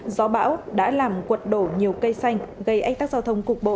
gió bão đã làm quật đổ nhiều cây xanh gây ách tắc giao thông cục bộ